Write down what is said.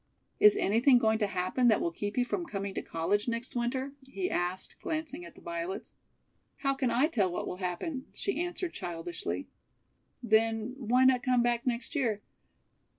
"Is anything going to happen that will keep you from coming to college next winter?" he asked, glancing at the violets. "How can I tell what will happen?" she answered childishly. "Then, why not come back next year?"